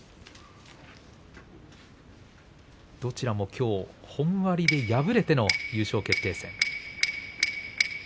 どちらもきょう本割で敗れての優勝決定戦。